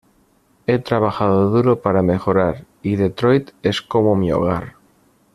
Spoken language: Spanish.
He trabajado duro para mejorar, y Detroit es como mi hogar."".